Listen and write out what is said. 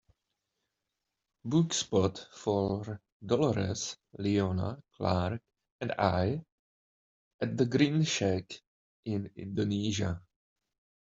book spot for dolores, leona clark and I at The Green Shack in Indonesia